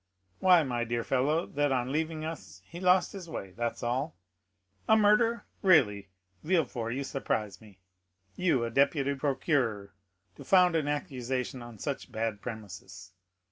why, my dear fellow, that on leaving us he lost his way, that's all. A murder? really, Villefort, you surprise me. You, a deputy procureur, to found an accusation on such bad premises!